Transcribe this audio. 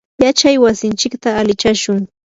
yachay wasinchikta alichashun.